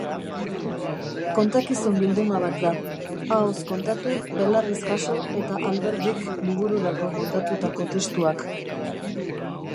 Kontakizun bilduma bat da: ahoz kontatu, belarriz jaso eta Alberdik libururako moldatutako testuak.